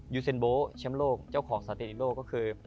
ยูเซนโบชมโลกเจ้าของสติตในโลกก็คือ